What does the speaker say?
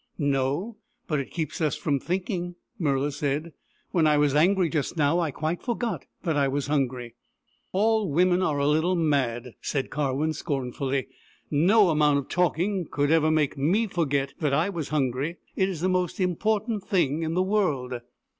" No, but it keeps us from thinking," Murla said. " When I was angry just now I quite forgot that I was hungry." " All women are a little mad," said Karwin scornfully. " No amount of talking could ever make tne forget that I was hungry. It is the most important thing in the world."